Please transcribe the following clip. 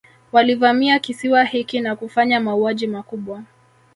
Walivamia kisiwa hiki na kufanya mauaji makubwa